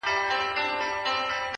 زما مور؛ دنيا هېره ده؛